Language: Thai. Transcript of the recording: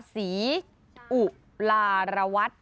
ศรีอุราวัต